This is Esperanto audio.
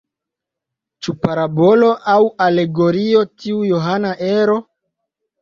Ĉu parabolo aŭ alegorio tiu johana ero?